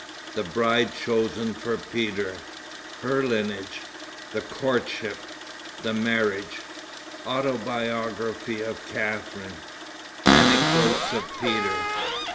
The Bride Chosen for Peter. Her Lineage. The Courtship. The Marriage. Autobiography of Catharine. Anecdotes of Peter.